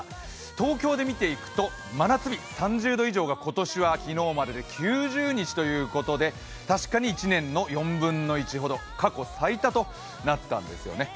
東京で見ていくと真夏日、３０度以上が昨日までで９０日ということで確かに１年の４分の１ほど、過去最多となったんですよね。